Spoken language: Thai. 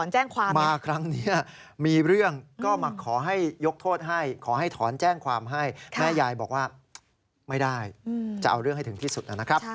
จะเอาเรื่องให้ถึงที่สุดนะครับ